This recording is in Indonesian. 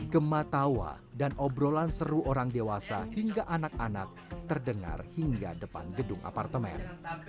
gemah tawa dan obrolan seru orang dewasa hingga anak anak terdengar hingga depan gedung apartemen